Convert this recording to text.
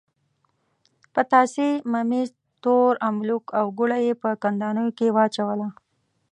پتاسې، ممیز، تور املوک او ګوړه یې په کندانیو کې واچوله.